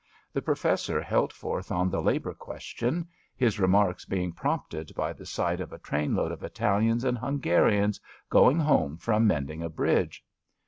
The Pro fessor held forth on the labour question, his re marks being prompted by the sight of a train load of Italians and Hungarians going home from mending a bridge.